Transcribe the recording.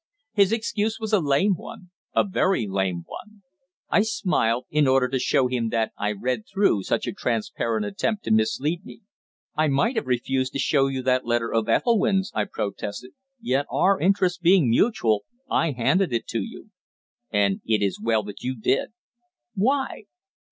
His excuse was a lame one a very lame one. I smiled in order to show him that I read through such a transparent attempt to mislead me. "I might have refused to show you that letter of Ethelwynn's," I protested. "Yet our interests being mutual I handed it to you." "And it is well that you did." "Why?"